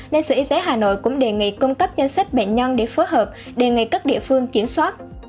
nên sở y tế hà nội cũng đề nghị cung cấp danh sách bệnh nhân để phối hợp đề nghị các địa phương kiểm soát